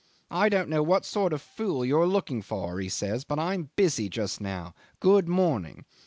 'I don't know what sort of fool you're looking for,' he says, 'but I am busy just now. Good morning.